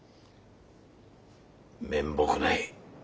面目ない。